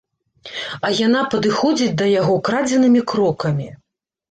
А яна падыходзіць да яго крадзенымі крокамі.